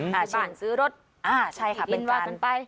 อย่างบ้านซื้อรถอีกรินว่าสันไป